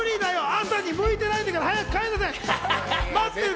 朝に向いてないんだから、早く帰りなさい！